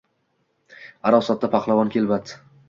Аrosatda paxlavon kelbat.